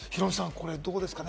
これどうですかね？